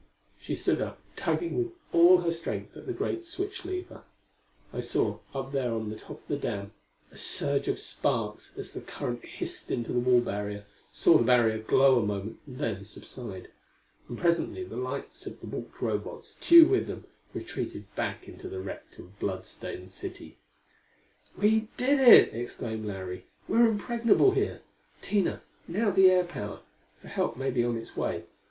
She stood up, tugging with all her strength at the great switch lever. I saw, up there on the top of the dam, a surge of sparks as the current hissed into the wall barrier; saw the barrier glow a moment and then subside. And presently the lights of the balked Robots, Tugh with them, retreated back into the wrecked and blood stained city. "We did it!" exclaimed Larry. "We're impregnable here. Tina, now the air power, for help may be on its way.